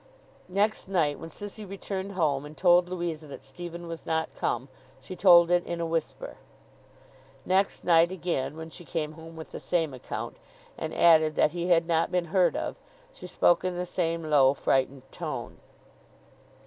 Next night, when Sissy returned home and told Louisa that Stephen was not come, she told it in a whisper. Next night again, when she came home with the same account, and added that he had not been heard of, she spoke in the same low frightened tone.